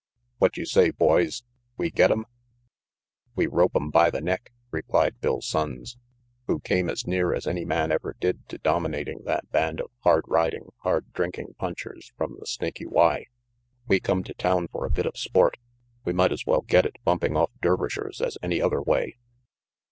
"What you say, boys? We get 'em?" "We rope 'em by the neck," replied Bill Sonnes, who came as near as any man ever did to dominating that band of hard riding, hard drinking punchers from the Snaky Y. "We come to town for a bit of sport. We might's well get it bumping off Dervishers as any other way."